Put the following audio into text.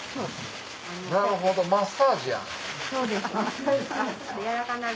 なるほどマッサージやん。